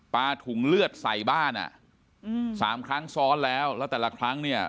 ถุงเลือดใส่บ้านอ่ะอืมสามครั้งซ้อนแล้วแล้วแต่ละครั้งเนี่ย